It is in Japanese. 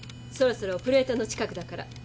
そろそろプレートの近くだから。